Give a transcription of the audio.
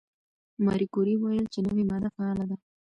ماري کوري وویل چې نوې ماده فعاله ده.